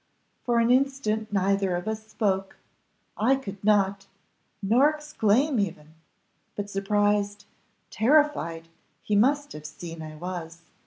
For an instant neither of us spoke: I could not, nor exclaim even; but surprised, terrified, he must have seen I was.